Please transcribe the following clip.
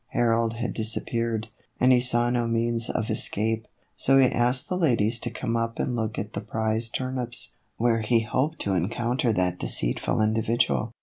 Harold had disappeared, and he saw no means of escape, so he asked the ladies to come up and look at the prize turnips, where he hoped to encounter that deceitful individual.